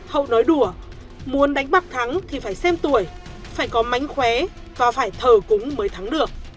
hậu nói đùa muốn đánh bạc thắng thì phải xem tuổi phải có mánh khóe và phải thờ cúng mới thắng được